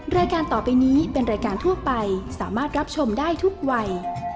รายการต่อไปนี้เป็นรายการทั่วไปสามารถรับชมได้ทุกวัย